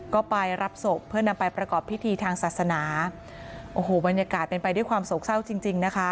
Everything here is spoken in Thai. ก็ไปรับศพเพื่อนำไปประกอบพิธีทางศาสนาโอ้โหบรรยากาศเป็นไปด้วยความโศกเศร้าจริงจริงนะคะ